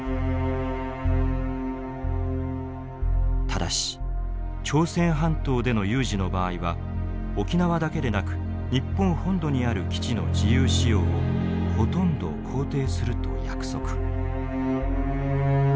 ただし朝鮮半島での有事の場合は沖縄だけでなく日本本土にある基地の自由使用をほとんど肯定すると約束。